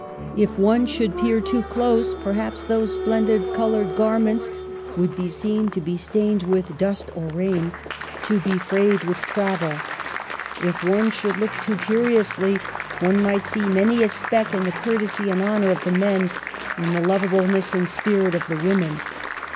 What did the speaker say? If one should peer too close, perhaps those splendid, colored garments would be seen to be stained with dust or rain, to be frayed with travel. If one should look too curiously, one might see many a speck in the courtesy and honor of the men, in the lovableness and spirit of the women.